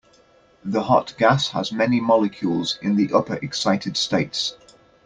The hot gas has many molecules in the upper excited states.